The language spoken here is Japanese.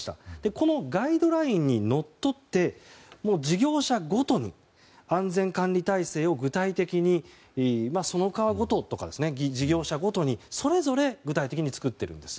このガイドラインにのっとって事業者ごとに安全管理体制を具体的にその川ごととか事業者ごとにそれぞれ具体的に作っているんです。